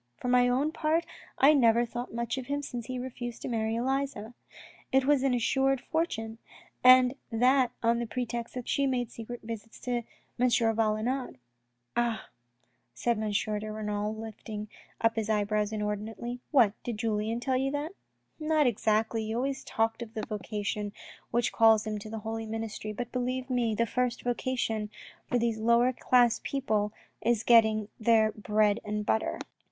For my own part I never thought much of him since he refused to marry Elisa. It was an assured fortune ; and that on the pretext that sometimes she had made secret visits to M. Valenod." " Ah," said M. de Renal, lifting up his eyebrows inordinately. " What, did Julien tell you that ?"" Not exactly, he always talked of the vocation which calls 136 THE RED AND THE BLACK him to the holy ministry, but believe me, the first vocation for those lower class people is getting their bread and butter.